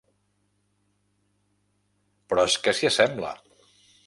Però és que s'hi assembla!